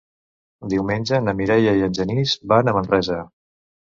Diumenge na Mireia i en Genís van a Manresa.